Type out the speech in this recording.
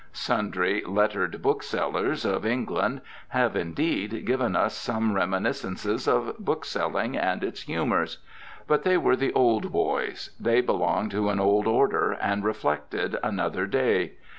Sundry "lettered booksellers" of England have, indeed, given us some reminiscences of bookselling and its humours. But they were the old boys. They belonged to an old order and reflected another day.